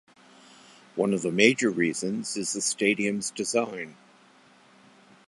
One of the major reasons is the stadium's design.